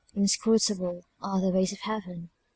Inscrutable are the ways of Heaven!